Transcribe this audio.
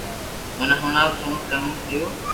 مني ھڻاو تو ھون ٽني ديو